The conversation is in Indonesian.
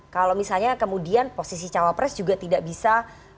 kalau misalnya kemudian posisi cawapres juga tidak bisa